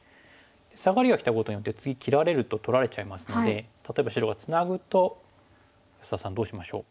サガリがきたことによって次切られると取られちゃいますので例えば白がツナぐと安田さんどうしましょう？